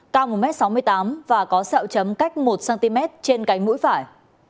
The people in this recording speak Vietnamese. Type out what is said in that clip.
cao một m sáu mươi tám và có sẹo chấm cách một cm trên cánh mũi phải